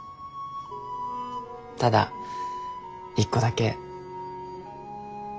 ただ一個だけ。